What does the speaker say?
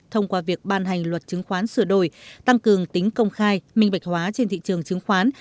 thông qua việc ban hành luật chứng khoán sửa đổi tăng cường tính công khai minh bạch hóa trên thị trường chứng khoán